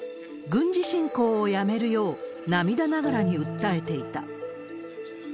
軍事侵攻をやめるよう、涙ながらに訴えていた。